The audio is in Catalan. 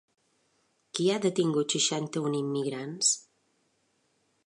Qui ha detingut seixanta-un immigrants?